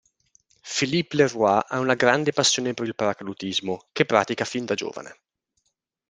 Philippe Leroy ha una grande passione per il paracadutismo, che pratica fin da giovane.